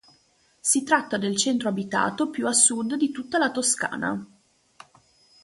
Si tratta del centro abitato più a sud di tutta la Toscana.